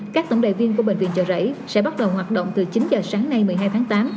các tổng đài viên của bệnh viện chợ rẫy sẽ bắt đầu hoạt động từ chín giờ sáng nay một mươi hai tháng tám